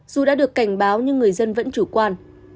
dù đã được cảnh báo nhưng người dân vẫn chủ quan